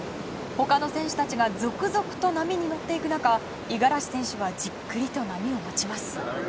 他の選手たちが続々と波に乗っていく中五十嵐選手はじっくりと波を待ちます。